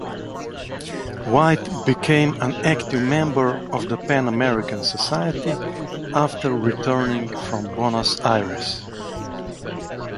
White became an active member of the Pan-American Society after returning from Buenos Aires.